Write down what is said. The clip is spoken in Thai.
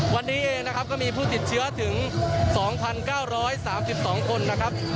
วันนี้เองนะครับก็มีผู้ติดเชื้อถึง๒๙๓๒คนนะครับ